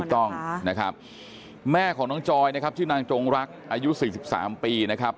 ถูกต้องนะครับแม่ของน้องจอยนะครับชื่อนางจงรักอายุ๔๓ปีนะครับ